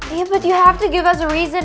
iya tapi kamu harus memberikan alasan